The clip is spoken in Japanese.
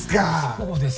そうですよ！